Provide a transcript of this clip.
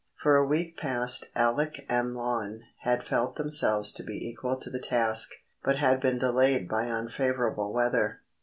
For a week past Alec and Lon had felt themselves to be equal to the task, but had been delayed by unfavourable weather.